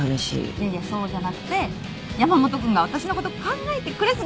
いやいやそうじゃなくて山本君が私のこと考えてくれ過ぎって話！